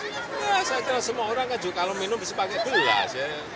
saya kira semua orang kan juga kalau minum bisa pakai dulu ya